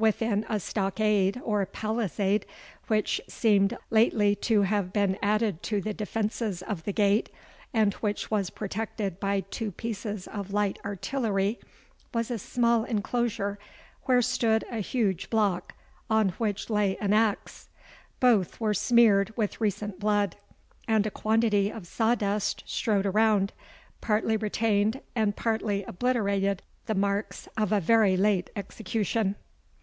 Within a stockade or palisade, which seemed lately to have been added to the defences of the gate, and which was protected by two pieces of light artillery, was a small enclosure, where stood a huge block, on which lay an axe. Both were smeared with recent blood, and a quantity of saw dust strewed around, partly retained and partly obliterated the marks of a very late execution.